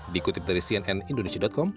dikutip dari cnn indonesia com